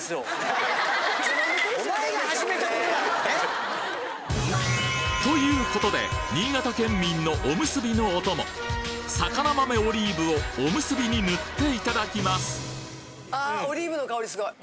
お前が始めたことだからね。ということで新潟県民のおむすびのお供肴豆オリーブをおむすびに塗っていただきますあオリーブの香りすごい。